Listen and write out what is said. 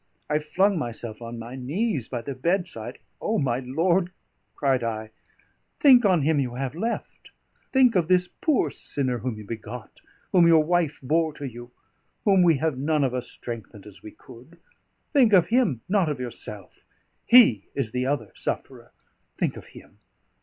I flung myself on my knees by the bedside. "O, my lord," cried I, "think on him you have left; think of this poor sinner whom you begot, whom your wife bore to you, whom we have none of us strengthened as we could; think of him, not of yourself; he is the other sufferer think of him!